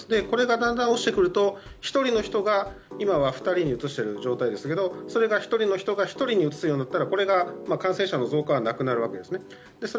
これがだんだん落ちてくると１人の人が、今は２人にうつしている状態ですがそれが１人の人が１人にうつすようになったらこれが感染者の増加はなくなるわけです。